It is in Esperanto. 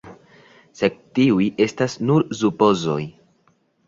Sed tiuj estas nur supozoj.